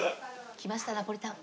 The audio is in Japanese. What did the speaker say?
きましたナポリタン。